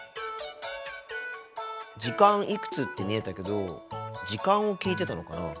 「時間いくつ」って見えたけど時間を聞いてたのかな？